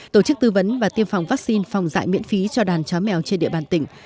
tổ chức tư vấn và tiêm phòng vaccine phòng dạy miễn phí cho đàn chó mèo trên địa bàn tỉnh